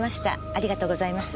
ありがとうございます。